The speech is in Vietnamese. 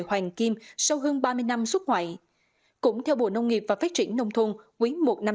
xuyên sau hơn ba mươi năm xuất hoại cũng theo bộ nông nghiệp và phát triển nông thôn quý một năm